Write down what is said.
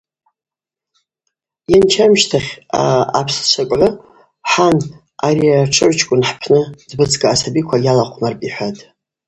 Йанча амщтахь апслачвакӏгӏвы – Хӏан, ари атшыгӏвчкӏвын хӏпны дбыцга: асабиква йылахъвмарпӏ, – йхӏватӏ.